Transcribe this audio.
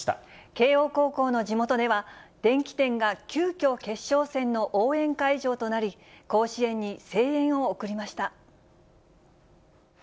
慶応高校の地元では、電気店が急きょ、決勝戦の応援会場となり、甲子園に声援を送りました。